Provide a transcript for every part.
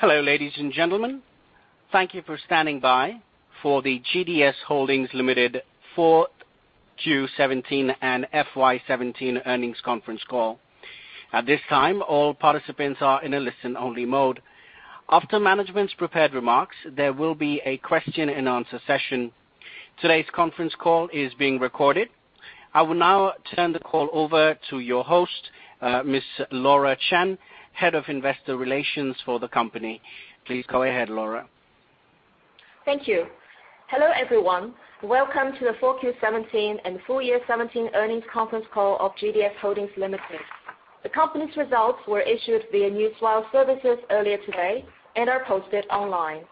Hello, ladies and gentlemen. Thank you for standing by for the GDS Holdings Limited fourth quarter 2017 and FY 2017 earnings conference call. At this time, all participants are in a listen-only mode. After management's prepared remarks, there will be a question-and-answer session. Today's conference call is being recorded. I will now turn the call over to your host, Ms. Laura Chen, Head of Investor Relations for the company. Please go ahead, Laura. Thank you. Hello, everyone. Welcome to the 4Q 2017 and full year 2017 earnings conference call of GDS Holdings Limited. The company's results were issued via news file services earlier today and are posted online.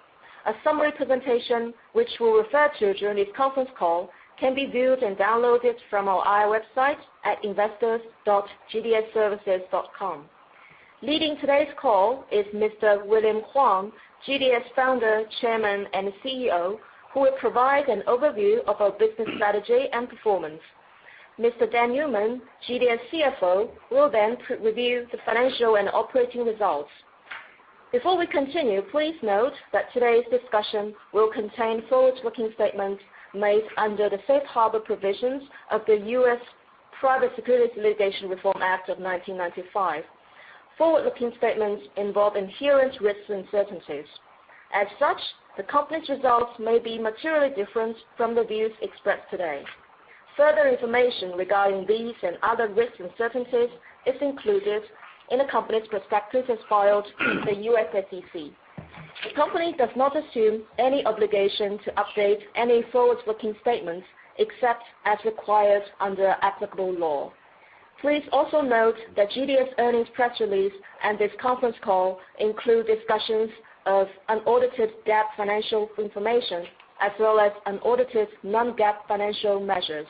A summary presentation, which we will refer to during this conference call, can be viewed and downloaded from our IR website at investors.gdsservices.com. Leading today's call is Mr. William Huang, GDS Founder, Chairman, and CEO, who will provide an overview of our business strategy and performance. Mr. Dan Newman, GDS CFO, will then review the financial and operating results. Before we continue, please note that today's discussion will contain forward-looking statements made under the Safe Harbor Provisions of the U.S. Private Securities Litigation Reform Act of 1995. Forward-looking statements involve inherent risks and uncertainties. As such, the company's results may be materially different from the views expressed today. Further information regarding these and other risks and uncertainties is included in the company's prospectus as filed with the U.S. SEC. The company does not assume any obligation to update any forward-looking statements except as required under applicable law. Please also note that GDS earnings press release and this conference call include discussions of unaudited GAAP financial information, as well as unaudited non-GAAP financial measures.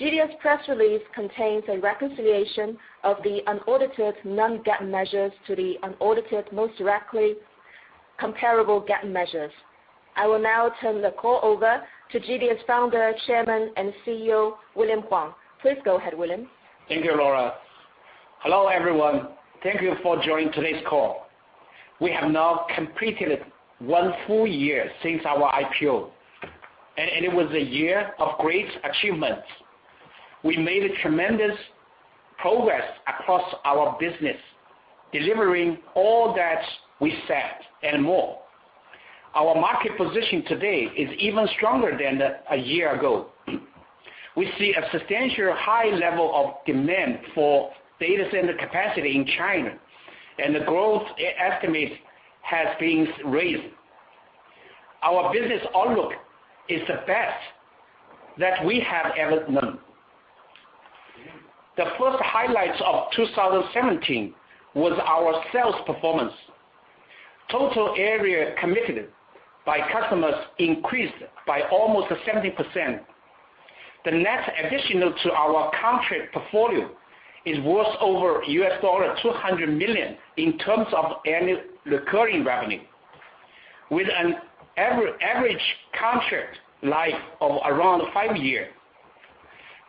GDS press release contains a reconciliation of the unaudited non-GAAP measures to the unaudited most directly comparable GAAP measures. I will now turn the call over to GDS Founder, Chairman, and CEO, William Huang. Please go ahead, William. Thank you, Laura. Hello, everyone. Thank you for joining today's call. We have now completed one full year since our IPO, and it was a year of great achievements. We made tremendous progress across our business, delivering all that we said and more. Our market position today is even stronger than a year ago. We see a substantial high level of demand for data center capacity in China, and the growth estimates has been raised. Our business outlook is the best that we have ever known. The first highlights of 2017 was our sales performance. Total area committed by customers increased by almost 70%. The net addition to our contract portfolio is worth over $200 million in terms of annual recurring revenue. With an average contract life of around five years,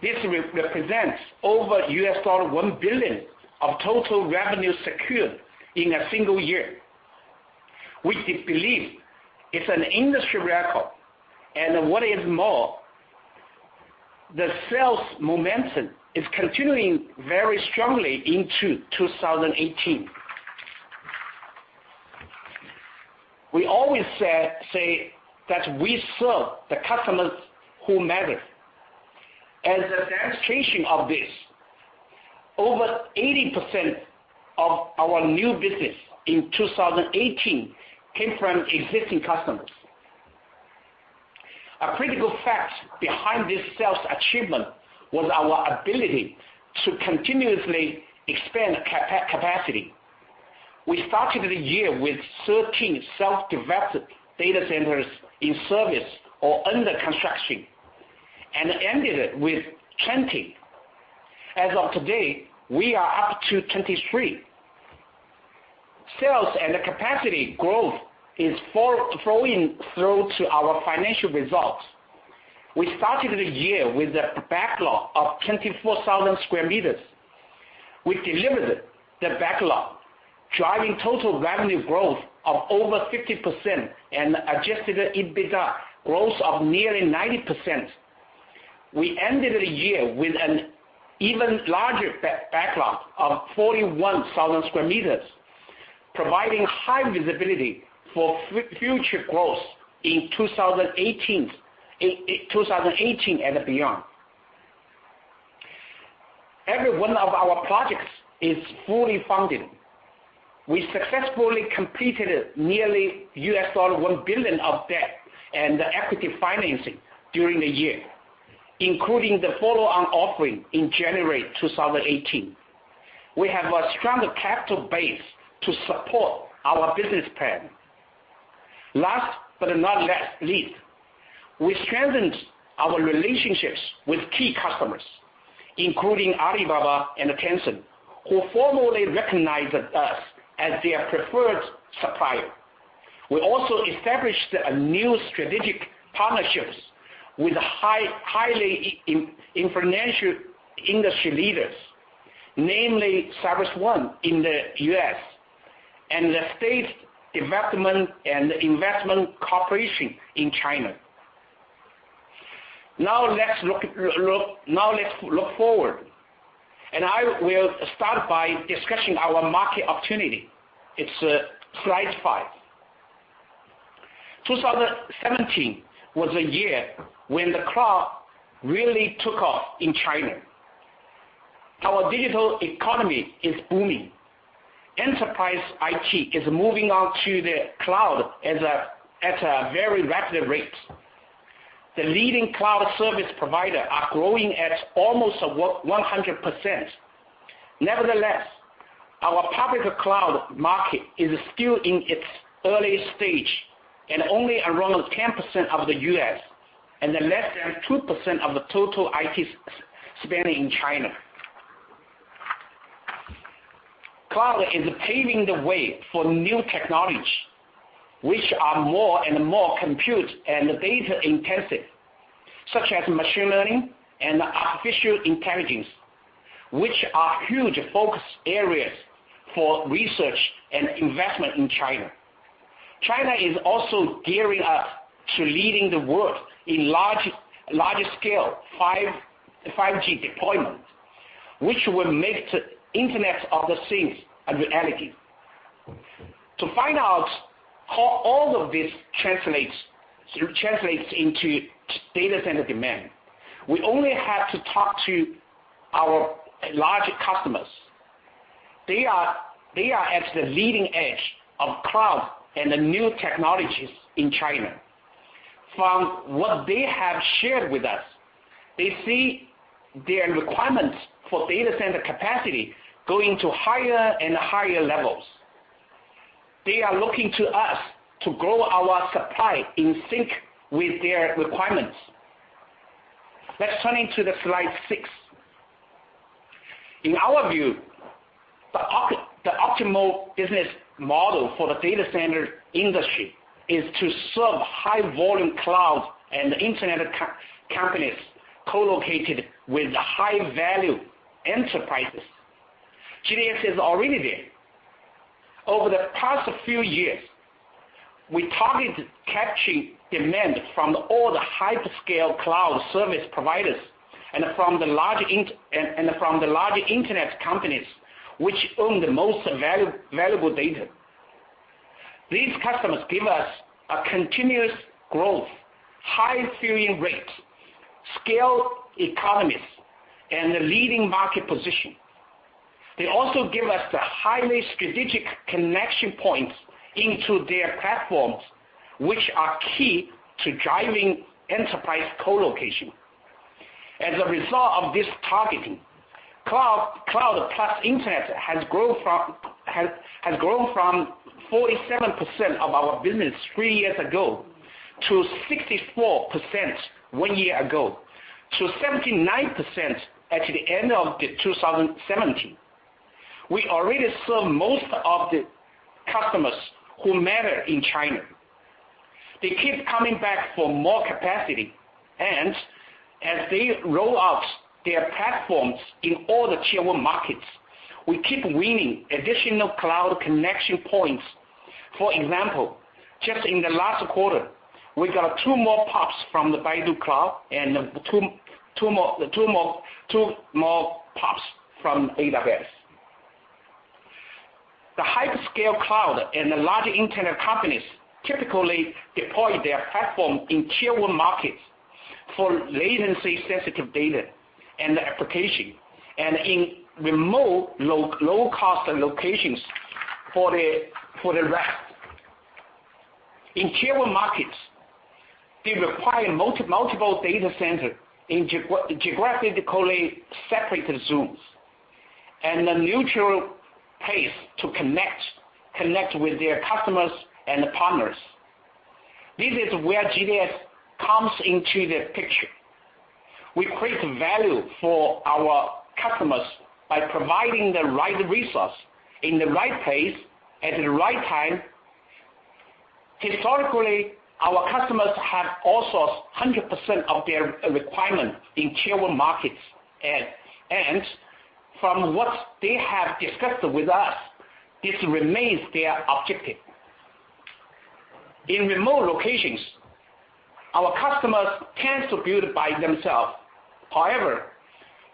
this represents over US$1 billion of total revenue secured in a single year, which we believe is an industry record. What is more, the sales momentum is continuing very strongly into 2018. We always say that we serve the customers who matter. As a demonstration of this, over 80% of our new business in 2018 came from existing customers. A critical fact behind this sales achievement was our ability to continuously expand capacity. We started the year with 13 self-developed data centers in service or under construction and ended it with 20. As of today, we are up to 23. Sales and capacity growth is flowing through to our financial results. We started the year with a backlog of 24,000 square meters. We delivered the backlog, driving total revenue growth of over 50% and adjusted EBITDA growth of nearly 90%. We ended the year with an even larger backlog of 41,000 square meters, providing high visibility for future growth in 2018 and beyond. Every one of our projects is fully funded. We successfully completed nearly US$1 billion of debt and equity financing during the year, including the follow-on offering in January 2018. We have a strong capital base to support our business plan. Last but not least, we strengthened our relationships with key customers, including Alibaba and Tencent, who formally recognized us as their preferred supplier. We also established new strategic partnerships with highly influential industry leaders, namely CyrusOne in the U.S. and the State Development and Investment Corporation in China. Let's look forward, I will start by discussing our market opportunity. It's slide five. 2017 was a year when the cloud really took off in China. Our digital economy is booming. Enterprise IT is moving on to the cloud at a very rapid rate. The leading cloud service providers are growing at almost 100%. Nevertheless, our public cloud market is still in its early stage and only around 10% of the U.S. and less than 2% of the total IT spending in China. Cloud is paving the way for new technology, which are more and more compute and data intensive, such as machine learning and artificial intelligence, which are huge focus areas for research and investment in China. China is also gearing up to leading the world in large scale 5G deployment, which will make the Internet of the things a reality. To find out how all of this translates into data center demand, we only have to talk to our large customers. They are at the leading edge of cloud and the new technologies in China. From what they have shared with us, they see their requirements for data center capacity going to higher and higher levels. They are looking to us to grow our supply in sync with their requirements. Let's turn into the slide six. In our view, the optimal business model for the data center industry is to serve high volume cloud and internet companies co-located with high value enterprises. GDS is already there. Over the past few years, we targeted capturing demand from all the hyperscale cloud service providers and from the large internet companies, which own the most valuable data. These customers give us a continuous growth, high filling rates, scale economies, and a leading market position. They also give us the highly strategic connection points into their platforms, which are key to driving enterprise colocation. As a result of this targeting, cloud plus internet has grown from 47% of our business three years ago, to 64% one year ago, to 79% at the end of 2017. We already serve most of the customers who matter in China. They keep coming back for more capacity, and as they roll out their platforms in all the Tier 1 markets, we keep winning additional cloud connection points. For example, just in the last quarter, we got 2 more POPs from the Baidu Cloud and 2 more POPs from AWS. The hyperscale cloud and the large internet companies typically deploy their platform in Tier 1 markets for latency sensitive data and application, and in remote low cost locations for the rest. In Tier 1 markets, they require multiple data center in geographically separate zones and a neutral place to connect with their customers and partners. This is where GDS comes into the picture. We create value for our customers by providing the right resource in the right place at the right time. Historically, our customers have also 100% of their requirement in Tier 1 markets. From what they have discussed with us, this remains their objective. In remote locations, our customers can still build by themselves. However,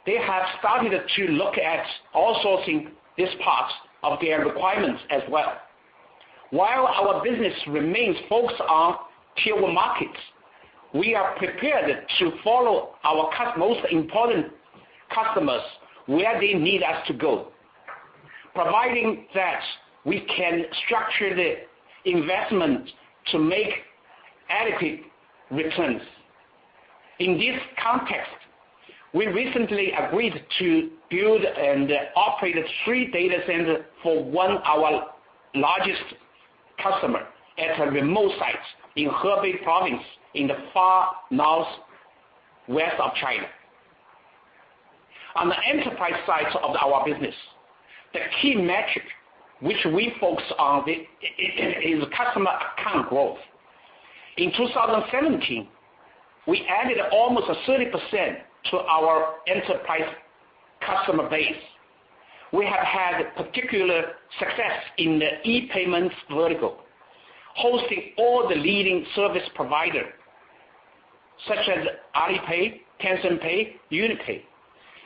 they have started to look at outsourcing this part of their requirements as well. While our business remains focused on Tier 1 markets, we are prepared to follow our most important customers where they need us to go. Providing that we can structure the investment to make adequate returns. In this context, we recently agreed to build and operate three data centers for one our largest customer at a remote site in Hebei province in the far northwest of China. On the enterprise side of our business, the key metric which we focus on is customer account growth. In 2017, we added almost 30% to our enterprise customer base. We have had particular success in the e-payments vertical, hosting all the leading service providers such as Alipay, WeChat Pay, UnionPay,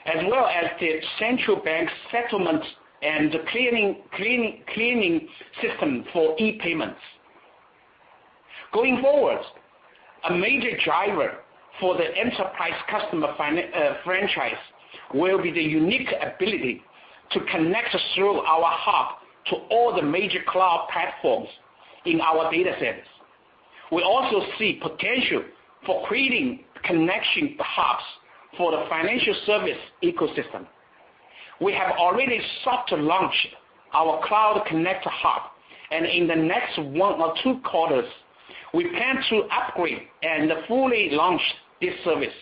as well as the Central Bank settlements and clearing system for e-payments. Going forward, a major driver for the enterprise customer franchise will be the unique ability to connect through our hub to all the major cloud platforms in our data centers. We also see potential for creating connection hubs for the financial service ecosystem. We have already soft launched our cloud connector hub, and in the next one or two quarters, we plan to upgrade and fully launch this service,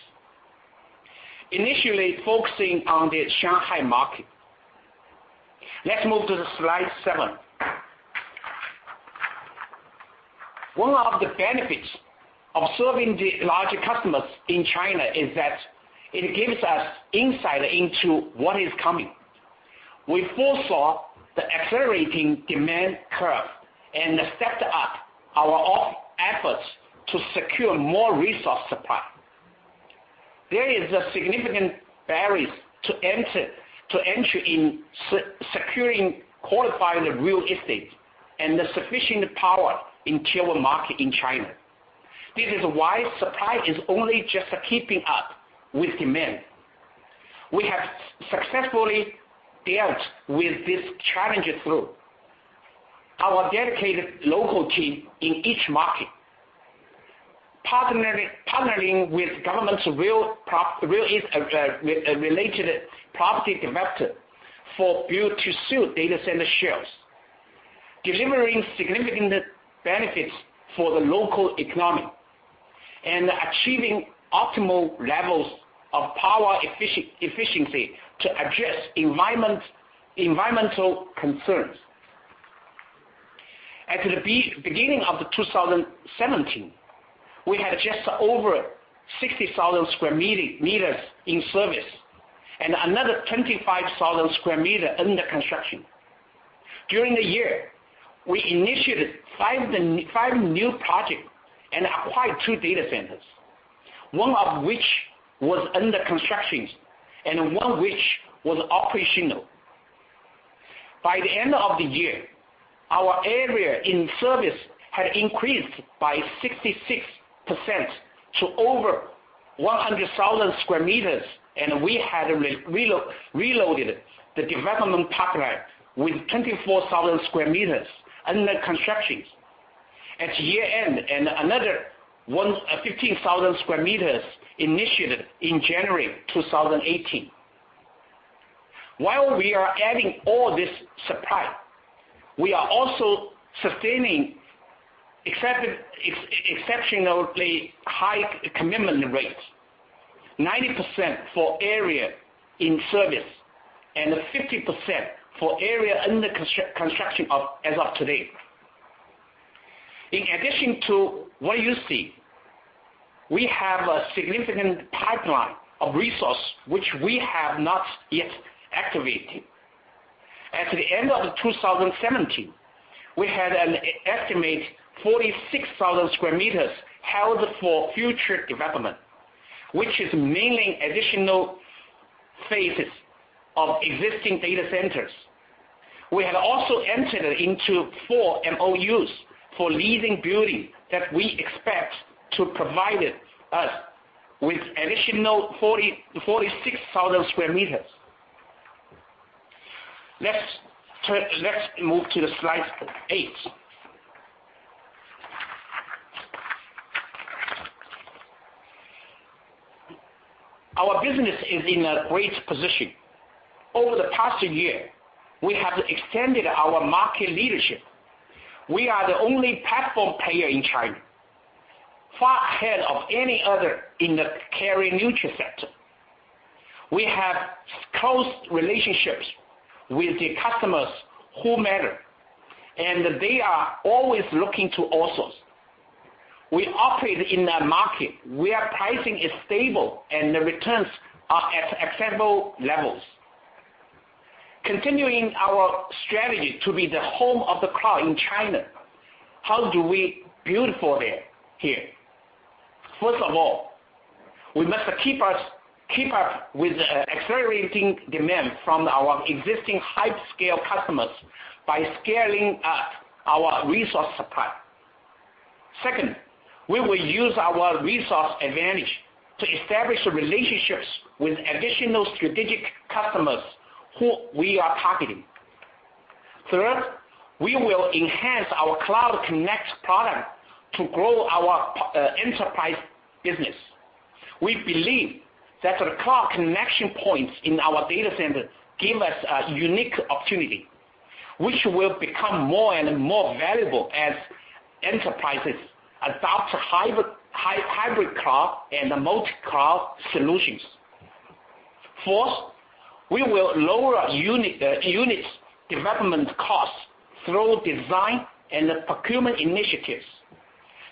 initially focusing on the Shanghai market. Let's move to slide seven. One of the benefits of serving the larger customers in China is that it gives us insight into what is coming. We foresaw the accelerating demand curve and stepped up our efforts to secure more resource supply. There is a significant barrier to entry in securing qualifying real estate and the sufficient power in Tier 1 market in China. This is why supply is only just keeping up with demand. We have successfully dealt with this challenge through our dedicated local team in each market, partnering with government's real estate-related property developer for build-to-suit data center shells, delivering significant benefits for the local economy and achieving optimal levels of power efficiency to address environmental concerns. At the beginning of 2017, we had just over 60,000 sq m in service and another 25,000 sq m under construction. During the year, we initiated five new projects and acquired two data centers, one of which was under construction and one which was operational. By the end of the year, our area in service had increased by 66% to over 100,000 square meters, and we had reloaded the development pipeline with 24,000 square meters under construction at year-end, and another 15,000 square meters initiated in January 2018. While we are adding all this supply, we are also sustaining exceptionally high commitment rates, 90% for area in service and 50% for area under construction as of today. In addition to what you see, we have a significant pipeline of resource which we have not yet activated. At the end of 2017, we had an estimated 46,000 square meters held for future development, which is mainly additional phases of existing data centers. We have also entered into four MOUs for leasing building that we expect to provide us with additional 46,000 square meters. Let's move to slide eight. Our business is in a great position. Over the past year, we have extended our market leadership. We are the only platform player in China, far ahead of any other in the carrier-neutral sector. We have close relationships with the customers who matter, and they are always looking to outsource. We operate in a market where pricing is stable and the returns are at acceptable levels. Continuing our strategy to be the home of the cloud in China, how do we build for here? First of all, we must keep up with the accelerating demand from our existing large-scale customers by scaling up our resource supply. Second, we will use our resource advantage to establish relationships with additional strategic customers who we are targeting. Third, we will enhance our Cloud Connect product to grow our enterprise business. We believe that the cloud connection points in our data center give us a unique opportunity, which will become more and more valuable as enterprises adopt hybrid cloud and multi-cloud solutions. Fourth, we will lower unit development costs through design and procurement initiatives.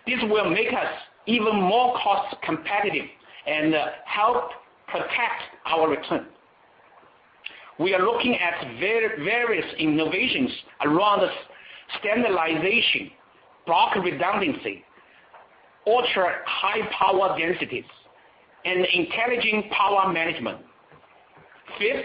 This will make us even more cost competitive and help protect our return. We are looking at various innovations around standardization, block redundancy, ultra-high power densities, and intelligent power management. Fifth,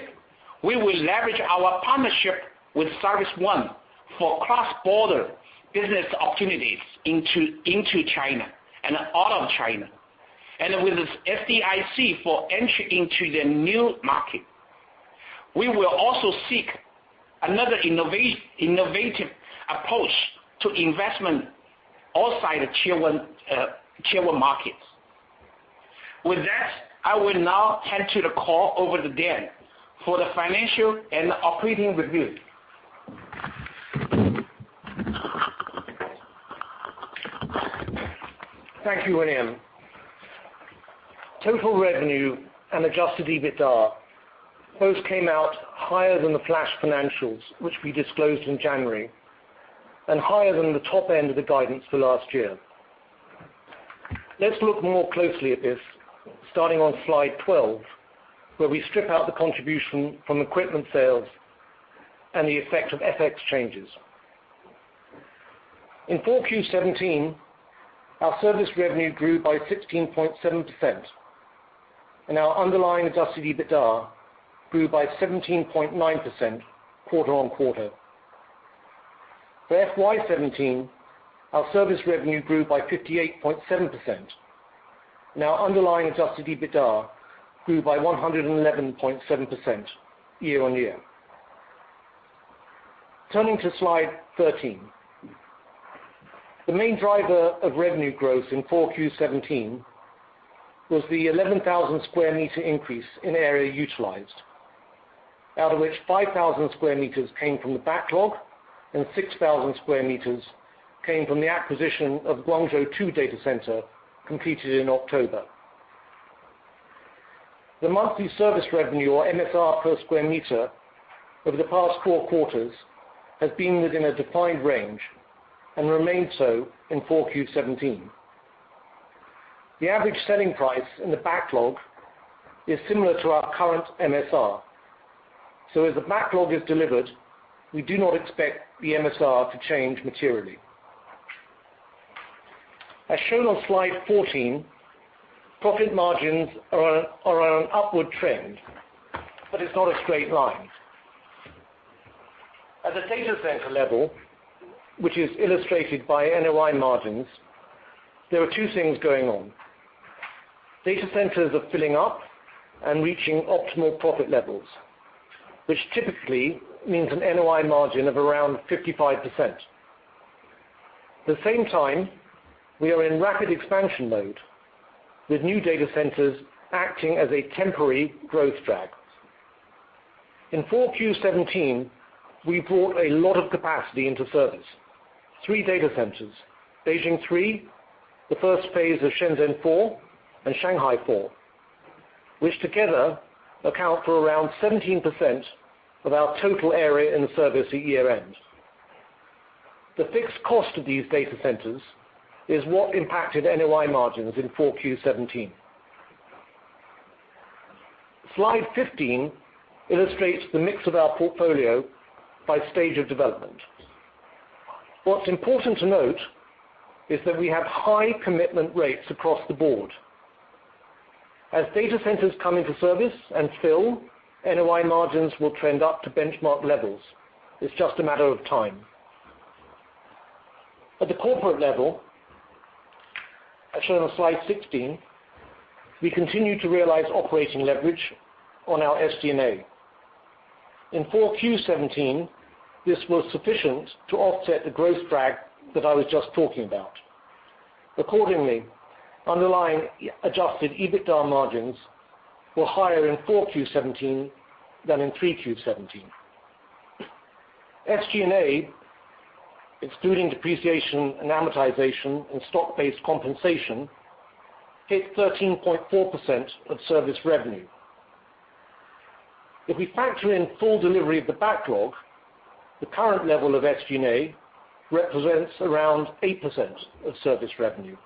we will leverage our partnership with CyrusOne for cross-border business opportunities into China and out of China. With SDIC for entry into the new market. We will also seek another innovative approach to investment outside the Tier 1 markets. With that, I will now hand the call over to Dan for the financial and operating review. Thank you, William. Total revenue and adjusted EBITDA both came out higher than the flash financials, which we disclosed in January, and higher than the top end of the guidance for last year. Let's look more closely at this, starting on slide 12, where we strip out the contribution from equipment sales and the effect of FX changes. In Q4 2017, our service revenue grew by 16.7%, and our underlying adjusted EBITDA grew by 17.9% quarter-on-quarter. For FY 2017, our service revenue grew by 58.7%, and our underlying adjusted EBITDA grew by 111.7% year-on-year. Turning to slide 13. The main driver of revenue growth in Q4 2017 was the 11,000 square meter increase in area utilized, out of which 5,000 square meters came from the backlog and 6,000 square meters came from the acquisition of Guangzhou II data center, completed in October. The monthly service revenue, or MSR per square meter over the past four quarters has been within a defined range and remained so in Q4 2017. The average selling price in the backlog is similar to our current MSR, as the backlog is delivered, we do not expect the MSR to change materially. As shown on slide 14, profit margins are on an upward trend, but it is not a straight line. At the data center level, which is illustrated by NOI margins, there are two things going on. Data centers are filling up and reaching optimal profit levels, which typically means an NOI margin of around 55%. At the same time, we are in rapid expansion mode, with new data centers acting as a temporary growth drag. In Q4 2017, we brought a lot of capacity into service. Three data centers, Beijing III, the first phase of Shenzhen IV, and Shanghai IV, which together account for around 17% of our total area in service at year-end. The fixed cost of these data centers is what impacted NOI margins in Q4 2017. Slide 15 illustrates the mix of our portfolio by stage of development. What is important to note is that we have high commitment rates across the board. As data centers come into service and fill, NOI margins will trend up to benchmark levels. It is just a matter of time. At the corporate level, as shown on slide 16, we continue to realize operating leverage on our SG&A. In Q4 2017, this was sufficient to offset the growth drag that I was just talking about. Accordingly, underlying adjusted EBITDA margins were higher in Q4 2017 than in Q3 2017. SG&A, excluding depreciation and amortization and stock-based compensation, hit 13.4% of service revenue. If we factor in full delivery of the backlog, the current level of SG&A represents around 8% of service revenue.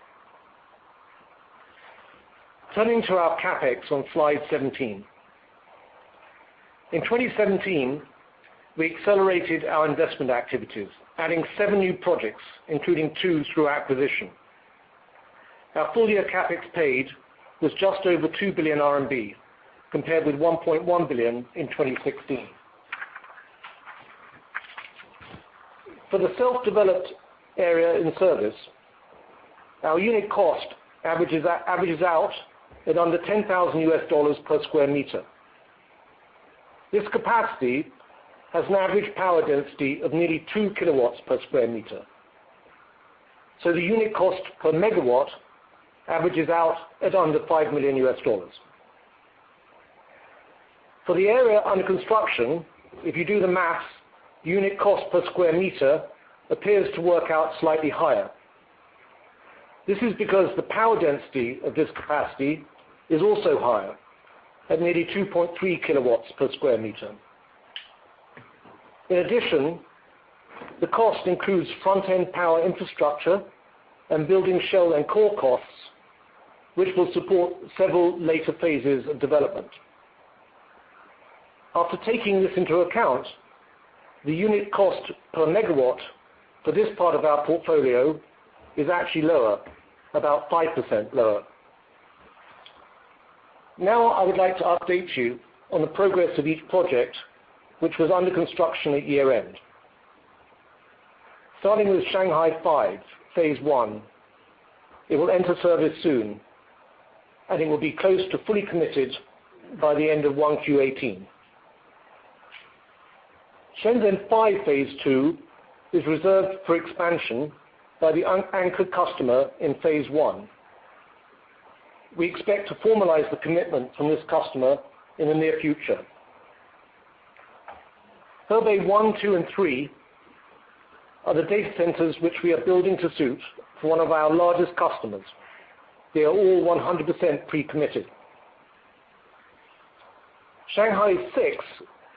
Turning to our CapEx on slide 17. In 2017, we accelerated our investment activities, adding seven new projects, including two through acquisition. Our full-year CapEx paid was just over 2 billion RMB, compared with 1.1 billion in 2016. For the self-developed area in service, our unit cost averages out at under $10,000 per square meter. This capacity has an average power density of nearly two kilowatts per square meter. The unit cost per megawatt averages out at under $5 million. For the area under construction, if you do the math, unit cost per square meter appears to work out slightly higher. This is because the power density of this capacity is also higher at nearly 2.3 kilowatts per square meter. In addition, the cost includes front-end power infrastructure and building shell and core costs, which will support several later phases of development. After taking this into account, the unit cost per megawatt for this part of our portfolio is actually lower, about 5% lower. I would like to update you on the progress of each project which was under construction at year-end. Starting with Shanghai Five, phase one, it will enter service soon, and it will be close to fully committed by the end of 1Q 2018. Shenzhen Five, phase two, is reserved for expansion by the anchored customer in phase one. We expect to formalize the commitment from this customer in the near future. Hebei 1, 2, and 3 are the data centers which we are building to suit for one of our largest customers. They are all 100% pre-committed. Shanghai 6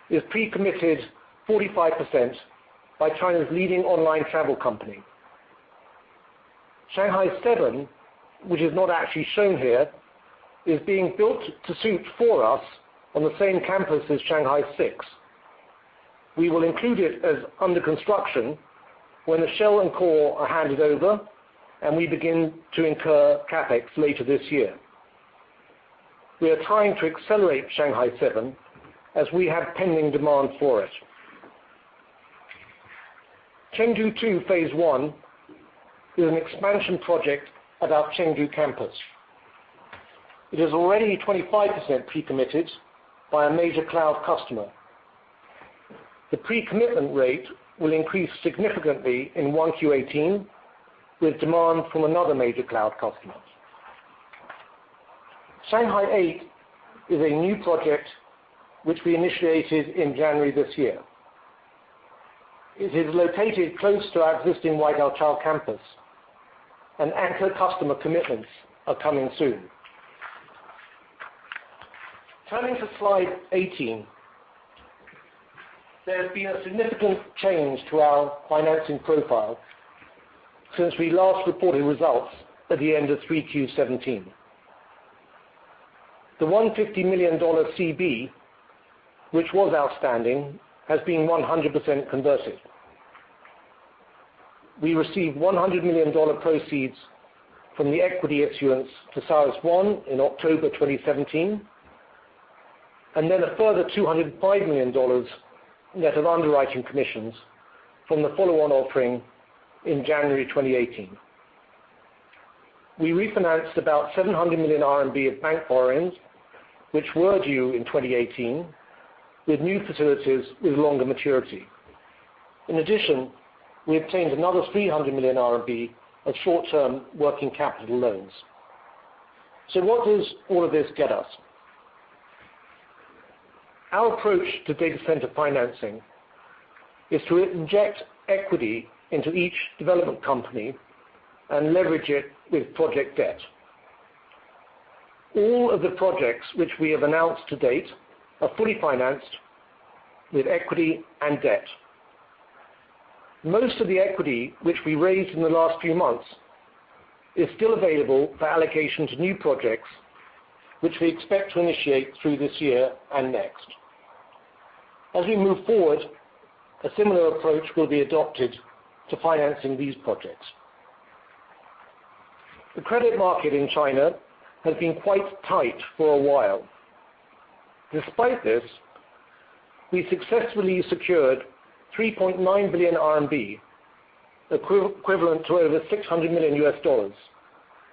is pre-committed 45% by China's leading online travel company. Shanghai 7, which is not actually shown here, is being built to suit for us on the same campus as Shanghai 6. We will include it as under construction when the shell and core are handed over, and we begin to incur CapEx later this year. We are trying to accelerate Shanghai 7 as we have pending demand for it. Chengdu 2, phase 1, is an expansion project at our Chengdu campus. It is already 25% pre-committed by a major cloud customer. The pre-commitment rate will increase significantly in 1Q18 with demand from another major cloud customer. Shanghai 8 is a new project which we initiated in January this year. It is located close to our existing Waigaoqiao campus. Anchor customer commitments are coming soon. Turning to slide 18. There has been a significant change to our financing profile since we last reported results at the end of Q3 2017. The $150 million CB, which was outstanding, has been 100% converted. We received $100 million proceeds from the equity issuance to CyrusOne in October 2017, and then a further $205 million net of underwriting commissions from the follow-on offering in January 2018. We refinanced about 700 million RMB of bank borrowings, which were due in 2018, with new facilities with longer maturity. In addition, we obtained another 300 million RMB of short-term working capital loans. What does all of this get us? Our approach to data center financing is to inject equity into each development company and leverage it with project debt. All of the projects which we have announced to date are fully financed with equity and debt. Most of the equity which we raised in the last few months is still available for allocation to new projects, which we expect to initiate through this year and next. As we move forward, a similar approach will be adopted to financing these projects. The credit market in China has been quite tight for a while. Despite this, we successfully secured 3.9 billion RMB, equivalent to over $600 million,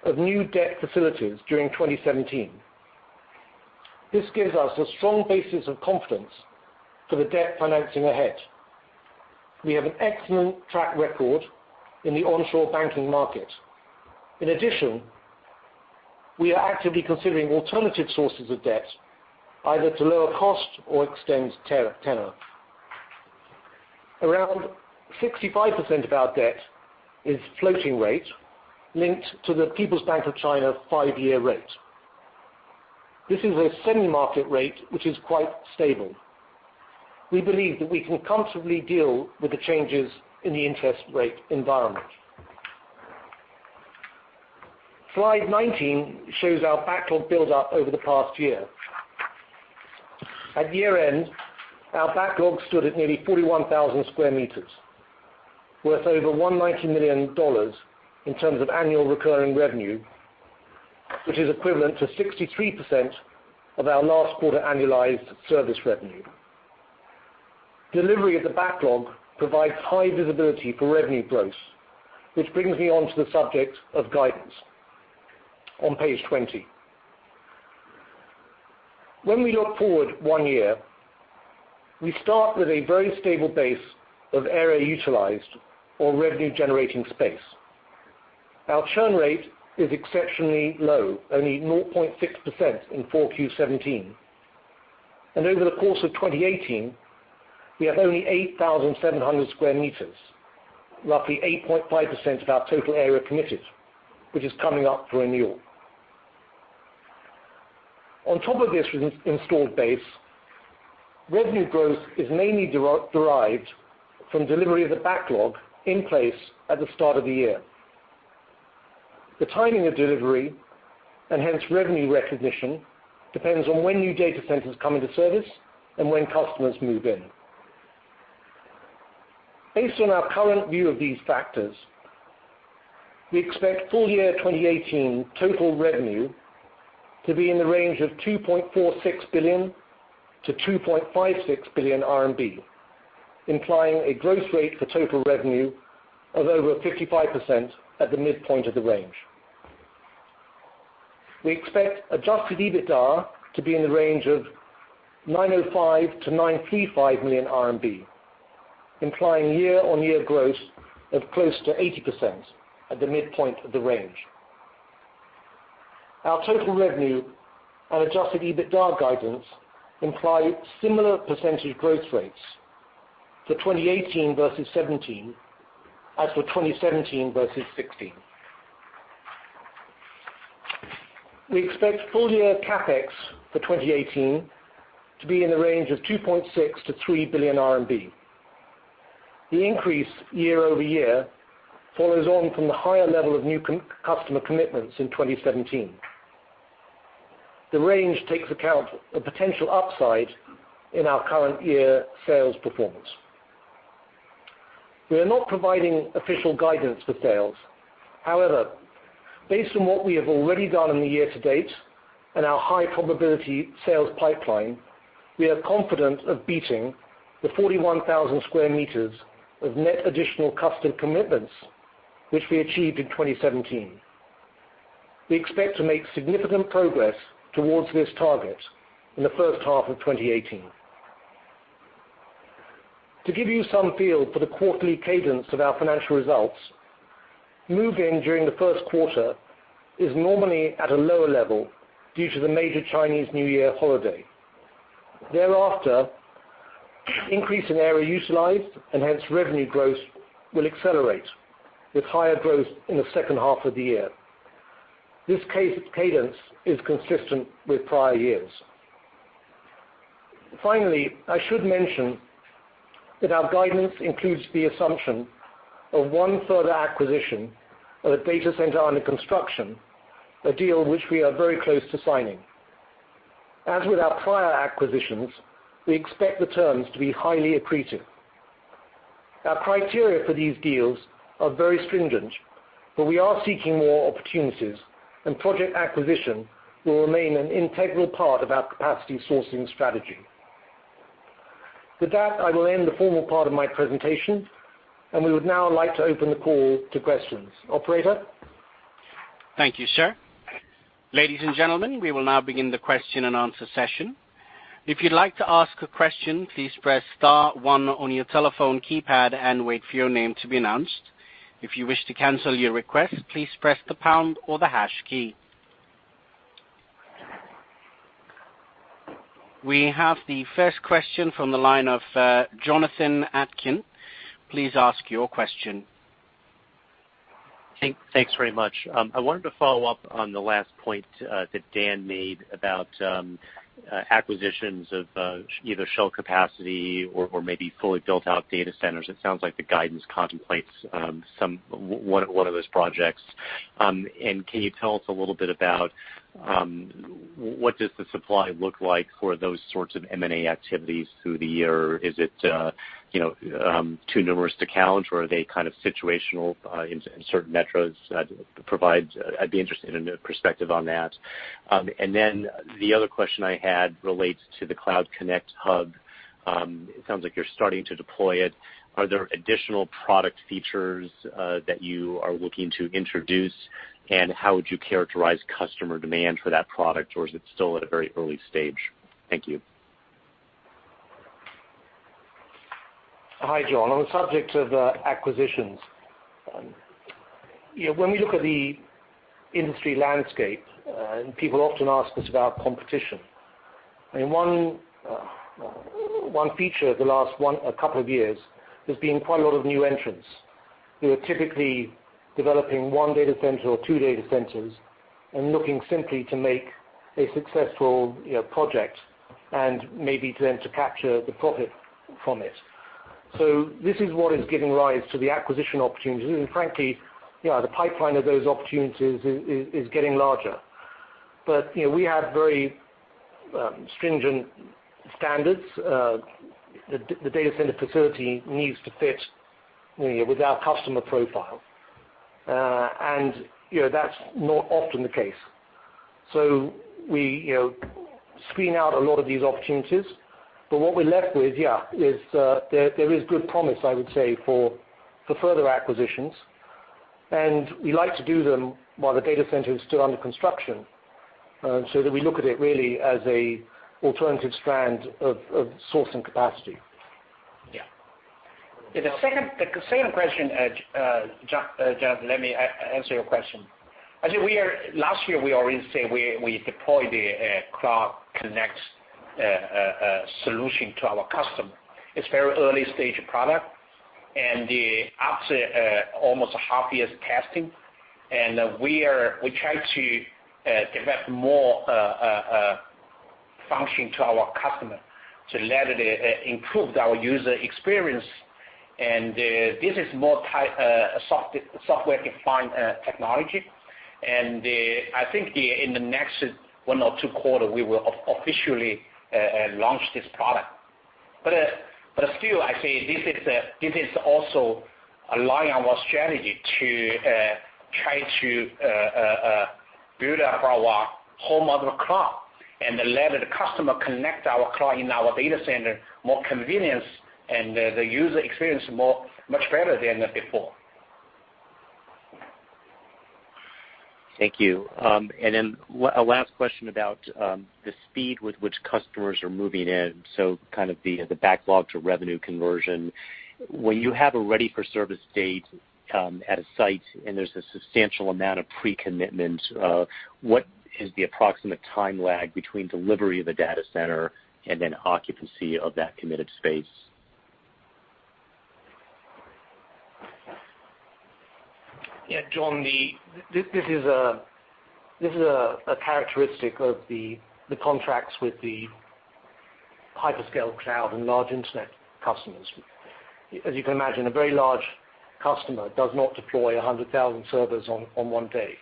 of new debt facilities during 2017. This gives us a strong basis of confidence for the debt financing ahead. We have an excellent track record in the onshore banking market. In addition, we are actively considering alternative sources of debt, either to lower cost or extend tenor. Around 65% of our debt is floating rate linked to the People's Bank of China 5-year rate. This is a semi-market rate which is quite stable. We believe that we can comfortably deal with the changes in the interest rate environment. Slide 19 shows our backlog buildup over the past year. At year end, our backlog stood at nearly 41,000 sq m, worth over $190 million in terms of annual recurring revenue, which is equivalent to 63% of our last quarter annualized service revenue. Delivery of the backlog provides high visibility for revenue growth, which brings me on to the subject of guidance on page 20. When we look forward 1 year, we start with a very stable base of area utilized or revenue-generating space. Our churn rate is exceptionally low, only 0.6% in 4Q 2017. Over the course of 2018, we have only 8,700 sq m, roughly 8.5% of our total area committed, which is coming up for renewal. On top of this installed base, revenue growth is mainly derived from delivery of the backlog in place at the start of the year. The timing of delivery, and hence revenue recognition, depends on when new data centers come into service and when customers move in. Based on our current view of these factors, we expect full year 2018 total revenue to be in the range of 2.46 billion-2.56 billion RMB, implying a growth rate for total revenue of over 55% at the midpoint of the range. We expect adjusted EBITDA to be in the range of 905 million-935 million RMB, implying year-on-year growth of close to 80% at the midpoint of the range. Our total revenue and adjusted EBITDA guidance imply similar percentage growth rates for 2018 versus 2017, as for 2017 versus 2016. We expect full year CapEx for 2018 to be in the range of 2.6 billion-3 billion RMB. The increase year-over-year follows on from the higher level of new customer commitments in 2017. The range takes account a potential upside in our current year sales performance. We are not providing official guidance for sales. However, based on what we have already done in the year to date and our high probability sales pipeline, we are confident of beating the 41,000 sq m of net additional customer commitments which we achieved in 2017. We expect to make significant progress towards this target in the first half of 2018. To give you some feel for the quarterly cadence of our financial results, move-in during the first quarter is normally at a lower level due to the major Chinese New Year holiday. Thereafter, increase in area utilized and hence revenue growth will accelerate, with higher growth in the second half of the year. This cadence is consistent with prior years. Finally, I should mention that our guidance includes the assumption of one further acquisition of a data center under construction, a deal which we are very close to signing. As with our prior acquisitions, we expect the terms to be highly accretive. Our criteria for these deals are very stringent, but we are seeking more opportunities, and project acquisition will remain an integral part of our capacity sourcing strategy. With that, I will end the formal part of my presentation. We would now like to open the call to questions. Operator? Thank you, sir. Ladies and gentlemen, we will now begin the question and answer session. If you'd like to ask a question, please press star one on your telephone keypad and wait for your name to be announced. If you wish to cancel your request, please press the pound or the hash key. We have the first question from the line of Jonathan Atkin. Please ask your question. Thanks very much. I wanted to follow up on the last point that Dan Newman made about acquisitions of either shell capacity or maybe fully built out data centers. It sounds like the guidance contemplates one of those projects. Can you tell us a little bit about what does the supply look like for those sorts of M&A activities through the year? Is it too numerous to count, or are they kind of situational in certain metros that provide? I'd be interested in a perspective on that. The other question I had relates to the Cloud Connect hub. It sounds like you're starting to deploy it. Are there additional product features that you are looking to introduce, and how would you characterize customer demand for that product, or is it still at a very early stage? Thank you. Hi, John Atkin. On the subject of acquisitions, when we look at the industry landscape, people often ask us about competition, one feature of the last couple of years has been quite a lot of new entrants who are typically developing one data center or two data centers and looking simply to make a successful project and maybe then to capture the profit from it. This is what is giving rise to the acquisition opportunities. Frankly, the pipeline of those opportunities is getting larger. We have very stringent standards. The data center facility needs to fit with our customer profile. That's not often the case. We screen out a lot of these opportunities. What we're left with there is good promise, I would say, for further acquisitions. We like to do them while the data center is still under construction, so that we look at it really as an alternative strand of sourcing capacity. Yeah. The second question, John, let me answer your question. Last year, we already say we deployed the Cloud Connect solution to our customer. It's very early stage product, and after almost a half year of testing, and we try to develop more function to our customer to let it improve our user experience. This is more software defined technology. I think in the next one or two quarter, we will officially launch this product. Still, I say this is also align our strategy to try to build up our whole other cloud, and let the customer connect our cloud in our data center more convenience and the user experience much better than before. Thank you. Then a last question about the speed with which customers are moving in, so kind of the backlog to revenue conversion. When you have a ready for service date at a site and there's a substantial amount of pre-commitment, what is the approximate time lag between delivery of the data center and then occupancy of that committed space? John, this is a characteristic of the contracts with the hyperscale cloud and large internet customers. As you can imagine, a very large customer does not deploy 100,000 servers on one day.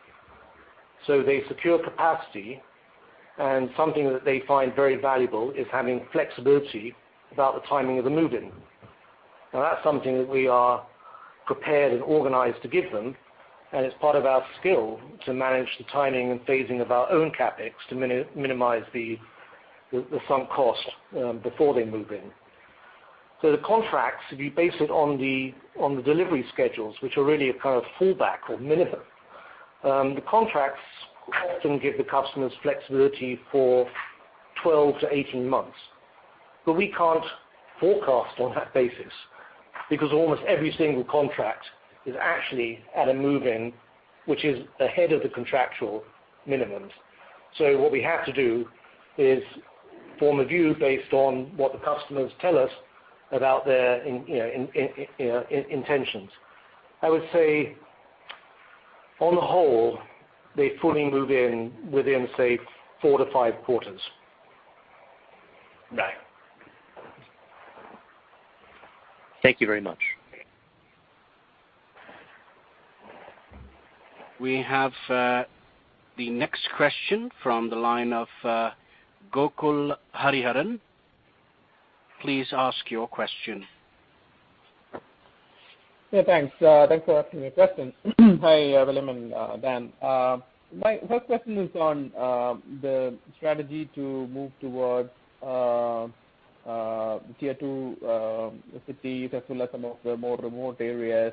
They secure capacity, and something that they find very valuable is having flexibility about the timing of the move-in. Now, that's something that we are prepared and organized to give them, and it's part of our skill to manage the timing and phasing of our own CapEx to minimize the sunk cost before they move in. The contracts, if you base it on the delivery schedules, which are really a kind of fallback or minimum, the contracts often give the customers flexibility for 12 to 18 months. We can't forecast on that basis because almost every single contract is actually at a move-in, which is ahead of the contractual minimums. What we have to do is form a view based on what the customers tell us about their intentions. I would say, on the whole, they fully move in within, say, four to five quarters. Right. Thank you very much. We have the next question from the line of Gokul Hariharan. Please ask your question. Yes, thanks. Thanks for taking the question. Hi, William and Dan. My first question is on the strategy to move towards tier 2 cities as well as some of the more remote areas.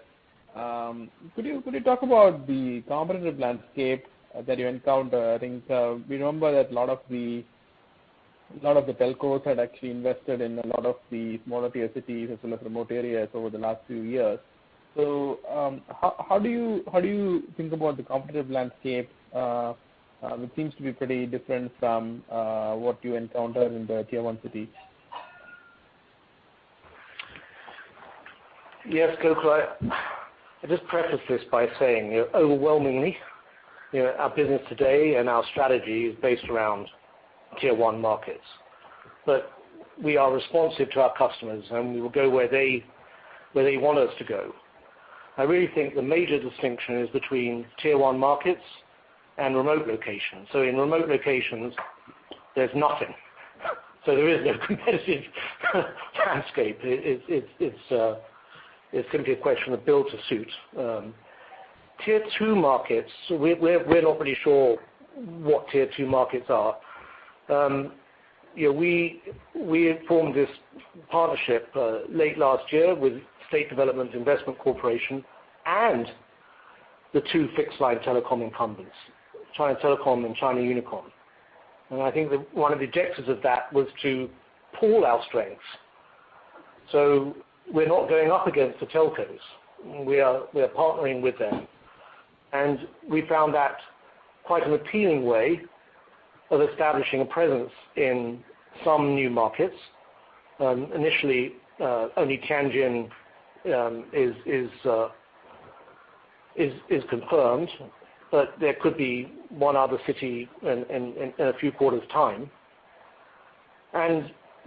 Could you talk about the competitive landscape that you encounter? I think we remember that a lot of the telcos had actually invested in a lot of the smaller tier cities as well as remote areas over the last few years. How do you think about the competitive landscape? It seems to be pretty different from what you encounter in the tier 1 cities. Yes, Gokul. I just preface this by saying overwhelmingly, our business today and our strategy is based around tier 1 markets. We are responsive to our customers, and we will go where they want us to go. I really think the major distinction is between tier 1 markets and remote locations. In remote locations, there's nothing. There is no competitive landscape. It's simply a question of build to suit. Tier 2 markets, we're not really sure what tier 2 markets are. We formed this partnership late last year with State Development Investment Corporation and the two fixed line telecom incumbents, China Telecom and China Unicom. I think one of the objectives of that was to pool our strengths. We're not going up against the telcos. We are partnering with them. We found that quite an appealing way of establishing a presence in some new markets. Initially, only Tianjin is confirmed, but there could be one other city in a few quarters' time.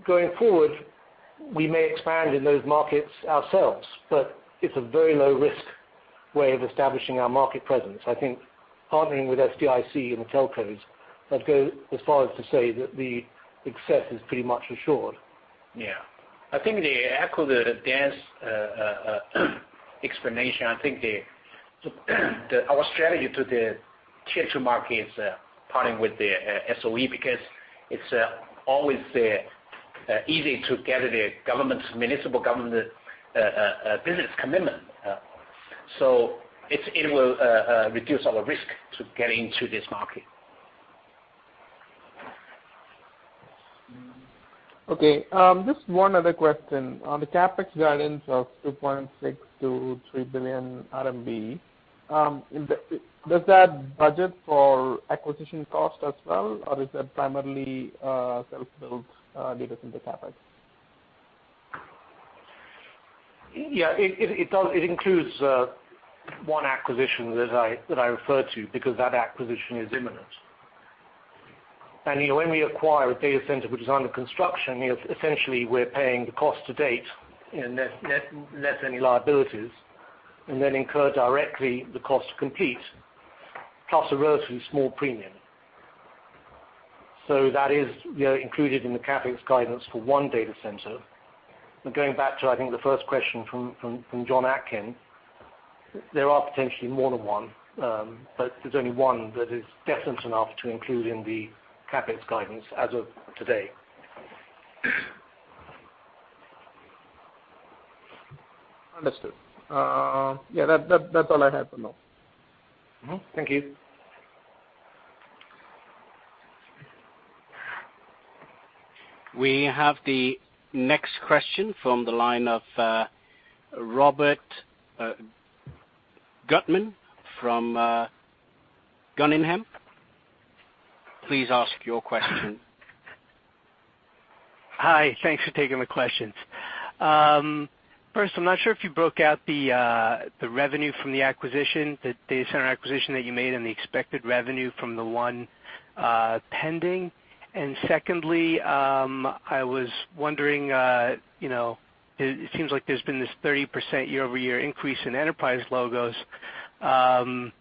Going forward, we may expand in those markets ourselves, but it's a very low risk way of establishing our market presence. I think partnering with SDIC and the telcos, I'd go as far as to say that the success is pretty much assured. Yeah. I think to echo Dan's explanation, I think our strategy to the tier 2 market is partnering with the SOE, because it's always easy to get the municipal government business commitment. It will reduce our risk to get into this market. Okay. Just one other question. On the CapEx guidance of 2.6 billion-3 billion RMB, does that budget for acquisition cost as well or is that primarily self-built data center CapEx? Yeah, it includes one acquisition that I referred to because that acquisition is imminent. When we acquire a data center which is under construction, essentially we're paying the cost to date, less any liabilities, and then incur directly the cost to complete, plus a relatively small premium. That is included in the CapEx guidance for one data center. Going back to, I think, the first question from John Atkin, there are potentially more than one. There's only one that is definite enough to include in the CapEx guidance as of today. Understood. Yeah, that's all I had for now. Thank you. We have the next question from the line of Robert Gutman from Guggenheim. Please ask your question. Hi. Thanks for taking the questions. First, I'm not sure if you broke out the revenue from the acquisition, the data center acquisition that you made, and the expected revenue from the one pending. Secondly, I was wondering, it seems like there's been this 30% year-over-year increase in Enterprise logos. How long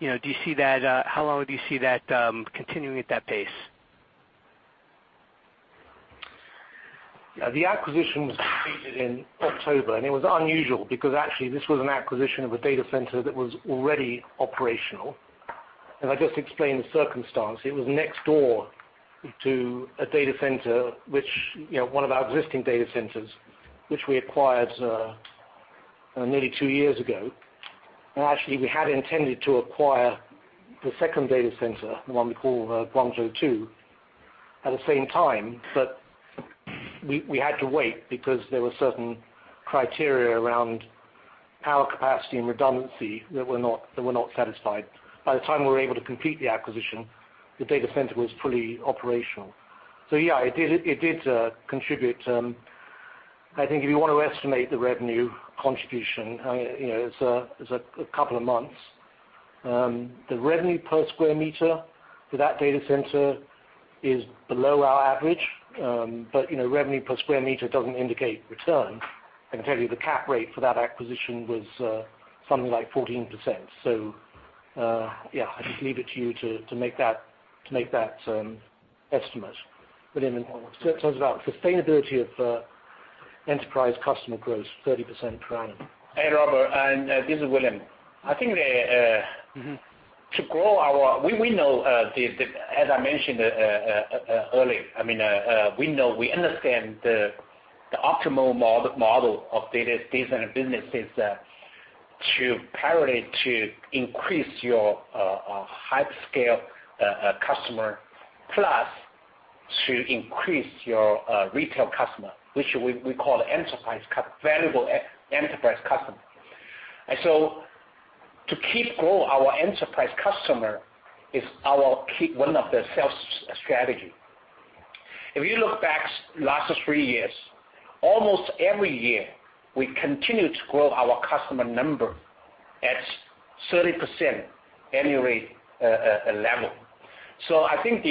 do you see that continuing at that pace? Yeah. The acquisition was completed in October, and it was unusual because actually this was an acquisition of a data center that was already operational. I just explained the circumstance. It was next door to one of our existing data centers, which we acquired nearly 2 years ago. Actually, we had intended to acquire the second data center, the one we call Guangzhou II, at the same time. We had to wait because there were certain criteria around power capacity and redundancy that were not satisfied. By the time we were able to complete the acquisition, the data center was fully operational. Yeah, it did contribute. I think if you want to estimate the revenue contribution, it's a couple of months. The revenue per square meter for that data center is below our average. Revenue per square meter doesn't indicate return. I can tell you the cap rate for that acquisition was something like 14%. Yeah, I can leave it to you to make that estimate. William, it's about sustainability of Enterprise customer growth, 30% per annum. Hey, Robert, this is William. As I mentioned earlier, we know, we understand the optimal model of data center businesses to prioritize to increase your hyperscale customer, plus to increase your retail customer, which we call valuable Enterprise customer. To keep grow our Enterprise customer is one of the sales strategy. If you look back last 3 years, almost every year, we continue to grow our customer number at 30% annual rate level. I think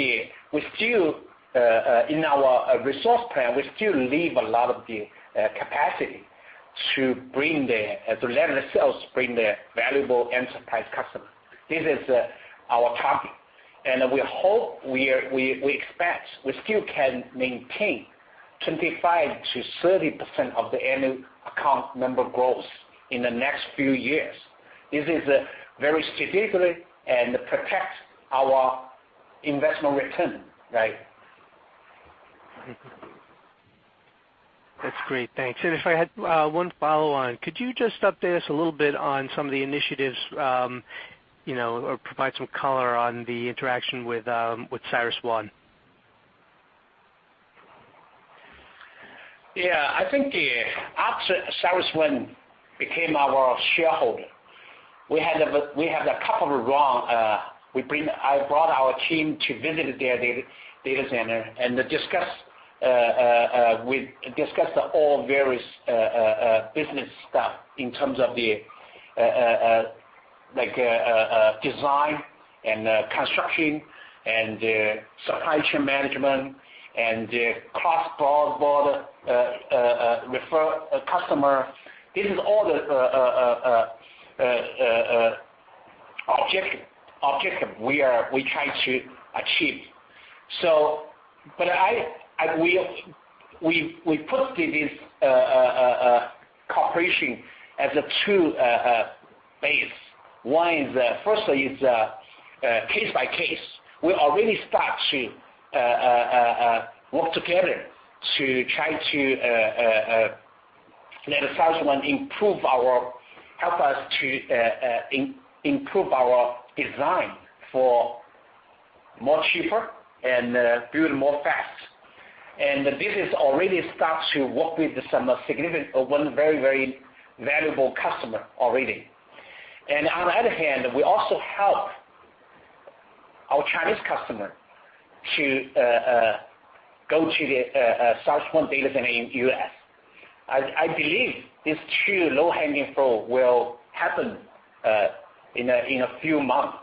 in our resource plan, we still leave a lot of the capacity to let the sales bring the valuable Enterprise customer. This is our target, and we hope, we expect we still can maintain 25%-30% of the annual account member growth in the next few years. This is very strategic and protect our investment return. That's great. Thanks. If I had one follow-on, could you just update us a little bit on some of the initiatives or provide some color on the interaction with CyrusOne? Yeah. I think after CyrusOne became our shareholder, I brought our team to visit their data center and we discussed all various business stuff in terms of the design and construction and supply chain management and the cross-border refer customer. This is all the objective we try to achieve. We put this cooperation as a two base. First is case by case. We already start to work together to try to let CyrusOne help us to improve our design for cheaper and build more fast. The business already starts to work with one very valuable customer already. On the other hand, we also help our Chinese customer to go to the CyrusOne data center in the U.S. I believe these two low-hanging fruit will happen in a few months.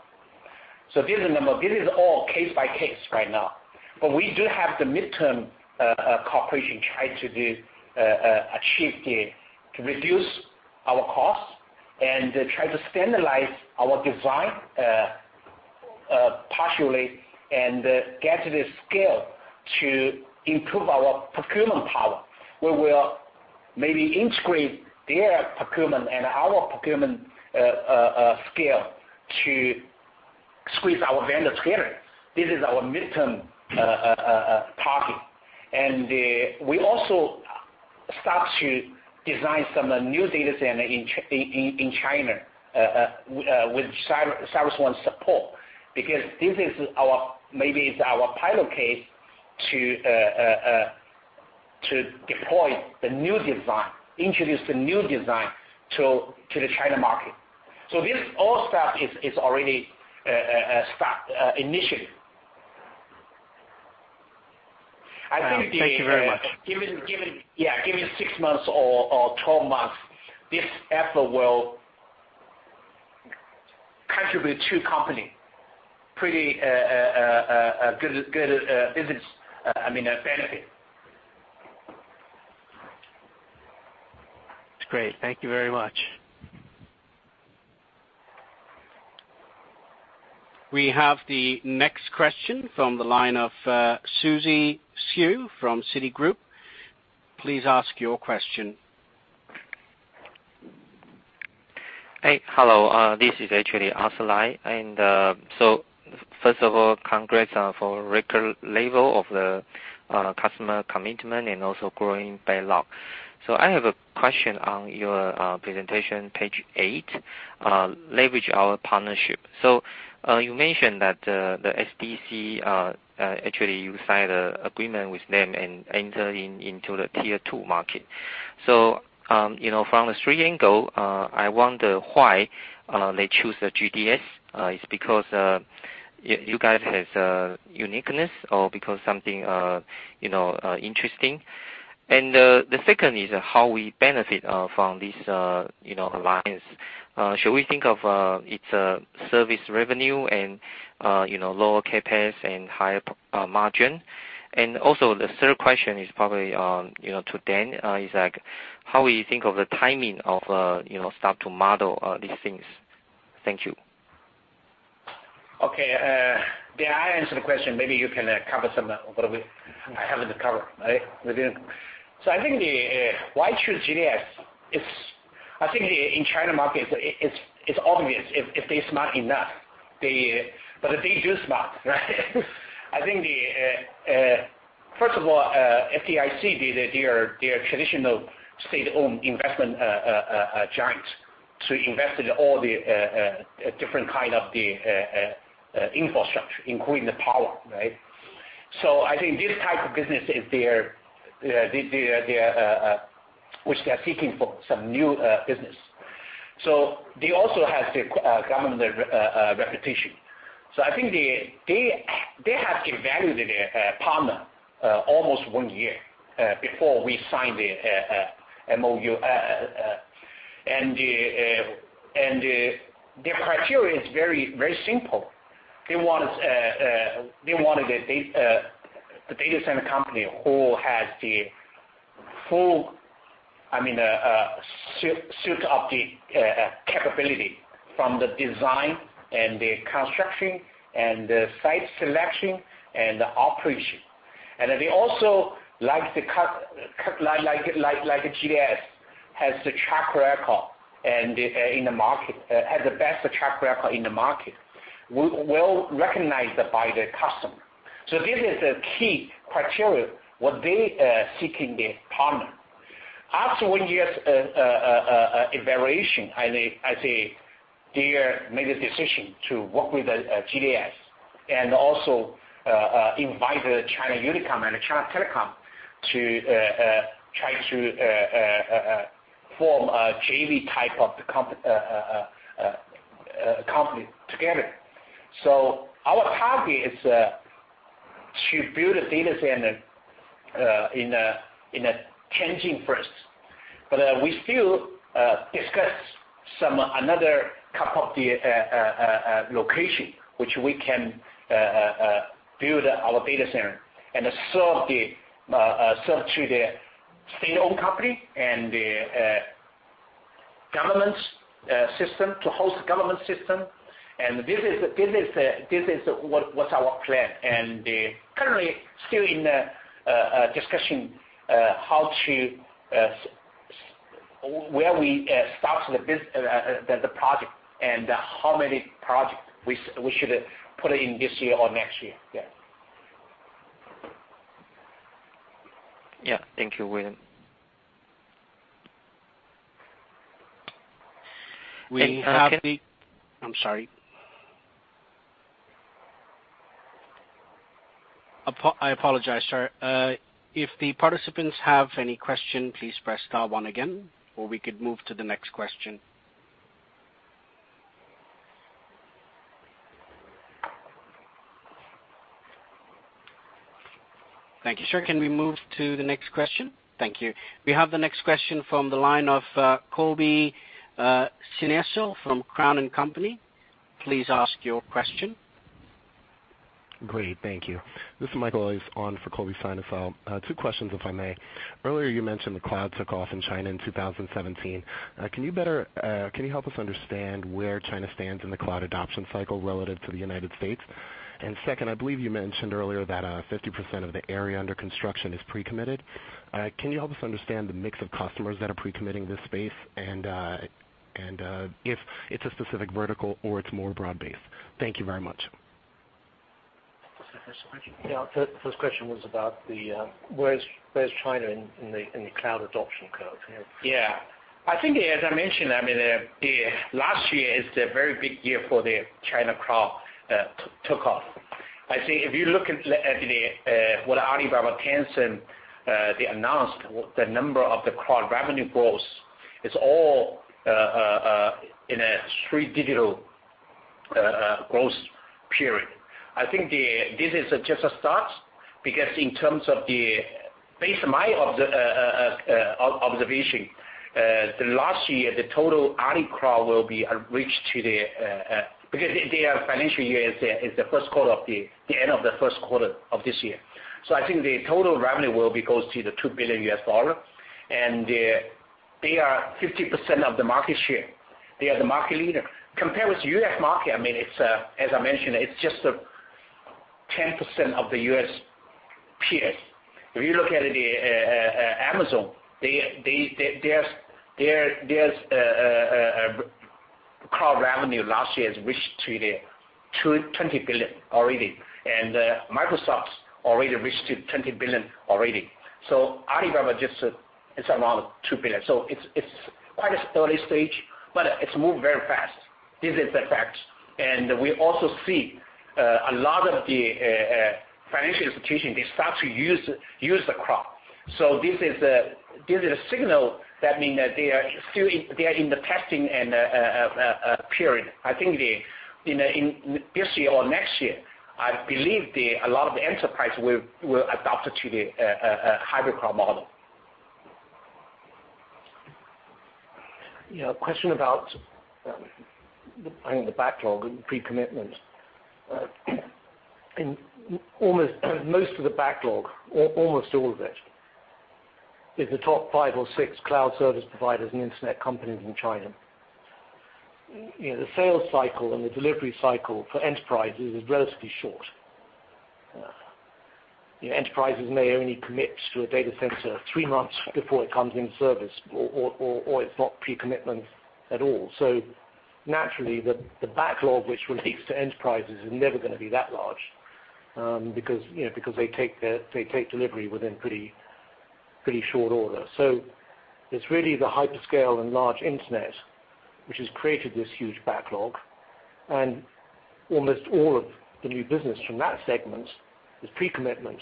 This is all case by case right now. We do have the midterm cooperation try to achieve to reduce our cost and try to standardize our design partially and get the scale to improve our procurement power, where we'll maybe integrate their procurement and our procurement scale to squeeze our vendors together. This is our midterm target. We also start to design some new data center in China with CyrusOne's support, because maybe it's our pilot case to deploy the new design, introduce the new design to the China market. This all stuff is already initiative. Thank you very much. Given six months or 12 months, this effort will contribute to company pretty good business benefit. That's great. Thank you very much. We have the next question from the line of Suzy Sue from Citigroup. Please ask your question. Hey, hello, this is actually Asalai. First of all, congrats for record level of the customer commitment and also growing backlog. I have a question on your presentation, page eight, leverage our partnership. You mentioned that the SDIC, actually you signed an agreement with them and enter into the tier 2 market. From the street angle, I wonder why they choose the GDS. It's because you guys have uniqueness or because something interesting? The second is how we benefit from this alliance. Should we think of it's a service revenue and lower CapEx and higher margin? The third question is probably to Dan, is like how you think of the timing of start to model these things. Thank you. Okay. Dan, I answer the question. Maybe you can cover some of what I haven't covered, all right? I think the why choose GDS, I think in China market, it's obvious if they smart enough. They do smart, right? I think, first of all, SDIC, they are traditional state-owned investment giant to invest in all the different kind of the infrastructure, including the power, right? I think this type of business is which they're seeking for some new business. They also have the government reputation. I think they have evaluated their partner almost one year, before we signed the MOU. Their criteria is very simple. They wanted a data center company who has the full suite of the capability from the design and the construction and the site selection and the operation. They also like GDS has the track record in the market, has the best track record in the market, well recognized by the customer. This is a key criteria what they seeking the partner. After one year evaluation, I say they made a decision to work with GDS and also invite China Unicom and the China Telecom to try to form a JV type of company together. Our target is to build a data center in Tianjin first. We still discuss another couple of the location, which we can build our data center and serve to the state-owned company and the government system, to host government system. This is what our plan. Currently still in discussion where we start the project and how many project we should put in this year or next year. Yeah. Yeah. Thank you, William. Thank you. I'm sorry. I apologize, sir. If the participants have any question, please press star one again, or we could move to the next question. Thank you, sir. Can we move to the next question? Thank you. We have the next question from the line of Colby Synesael from Cowen and Company. Please ask your question. Great. Thank you. This is Michael, on for Colby Synesael. Two questions, if I may. Earlier you mentioned the cloud took off in China in 2017. Can you help us understand where China stands in the cloud adoption cycle relative to the U.S.? Second, I believe you mentioned earlier that 50% of the area under construction is pre-committed. Can you help us understand the mix of customers that are pre-committing this space and, if it's a specific vertical or it's more broad-based? Thank you very much. What's the first question? Yeah. First question was about where's China in the cloud adoption curve? Yeah. I think as I mentioned, last year is a very big year for the China cloud took off. I think if you look at what Alibaba, Tencent, they announced the number of the cloud revenue growth, it's all in a three-digit growth period. I think this is just a start because Based on my observation, last year, the total Alibaba Cloud will be reached to the, because their financial year is the end of the first quarter of this year. I think the total revenue will be close to $2 billion, and they are 50% of the market share. They are the market leader. Compare with U.S. market, as I mentioned, it's just 10% of the U.S. peers. If you look at Amazon, their cloud revenue last year has reached to the 20 billion already. Microsoft's already reached to 20 billion already. Alibaba, it's around 2 billion. It's quite an early stage, but it's moved very fast. This is the fact. We also see a lot of the financial institution, they start to use the cloud. This is a signal that mean that they are in the testing period. I think in this year or next year, I believe a lot of the enterprise will adopt to the hybrid cloud model. Yeah, a question about the backlog and pre-commitment. Most of the backlog, almost all of it, is the top 5 or 6 cloud service providers and internet companies in China. The sales cycle and the delivery cycle for enterprises is relatively short. Enterprises may only commit to a data center 3 months before it comes in service or it's not pre-commitment at all. Naturally, the backlog which relates to enterprises is never going to be that large, because they take delivery within pretty short order. It's really the hyperscale and large internet which has created this huge backlog. Almost all of the new business from that segment is pre-commitment.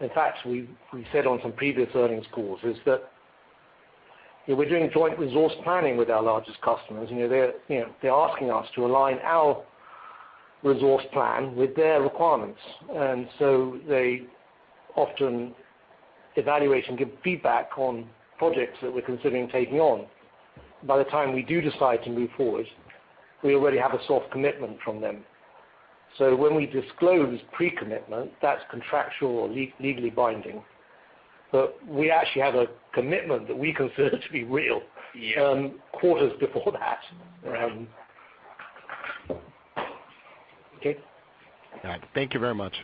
In fact, we said on some previous earnings calls is that, we're doing joint resource planning with our largest customers. They're asking us to align our resource plan with their requirements. They often evaluate and give feedback on projects that we're considering taking on. By the time we do decide to move forward, we already have a soft commitment from them. When we disclose pre-commitment, that's contractual or legally binding. We actually have a commitment that we consider to be real quarters before that. Okay. All right. Thank you very much.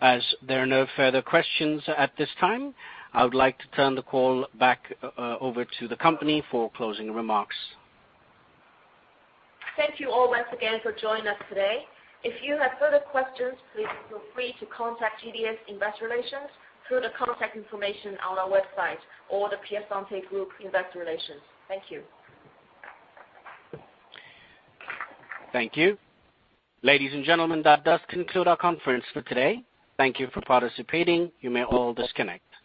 As there are no further questions at this time, I would like to turn the call back over to the company for closing remarks. Thank you all once again for joining us today. If you have further questions, please feel free to contact GDS Investor Relations through the contact information on our website or The Piacente Group Investor Relations. Thank you. Thank you. Ladies and gentlemen, that does conclude our conference for today. Thank you for participating. You may all disconnect.